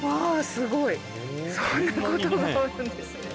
すごいそういうことがあるんですね